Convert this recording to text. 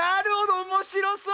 おもしろそう！